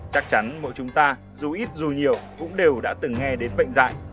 chắc chắn mỗi chúng ta dù ít dù nhiều cũng đều đã từng nghe đến bệnh dạy